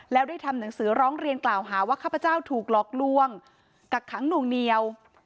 แล้วได้ทำหนังสือร้องเรียนกล่าวหาว่าข้าพเจ้าถูกหลอกลวงกักขังหน่วงเหนียว